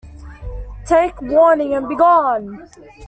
Take warning and begone!